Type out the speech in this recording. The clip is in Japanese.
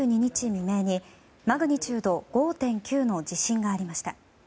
未明にマグニチュード５．９の地震がありました。